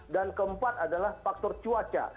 dan keempat adalah faktor cuaca